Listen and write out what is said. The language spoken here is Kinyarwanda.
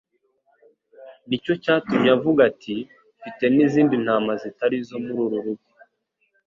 nicyo cyatumye avuga ati: «Mfite n'izindi ntama zitari izo muri uru rugo;